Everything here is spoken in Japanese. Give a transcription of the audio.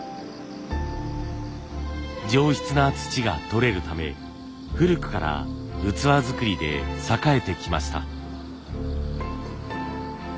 上質な土が採れるため古くから器づくりで栄えてきました。